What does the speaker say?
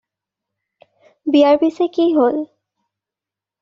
বিয়াৰ পিচে কি হ'ল?